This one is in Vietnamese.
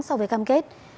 so với cam kết